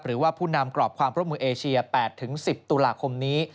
หรือว่าผู้นำกรอบความร่วมมือเอเชีย๘๑๐ตุลาคมนี้